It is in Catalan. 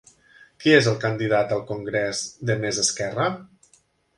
Qui és el candidat al congrés de Més Esquerra?